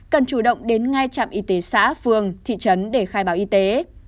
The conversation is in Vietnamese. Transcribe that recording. cần chủ động đến ngay trạm y tế xã phường thị trấn để khai báo y tế